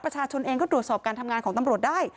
ประชาชนเองก็ตรวจสอบการทำงานของตำรวจได้